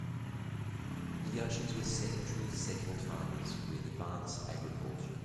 The Jurchens were sedentary, settled farmers with advanced agriculture.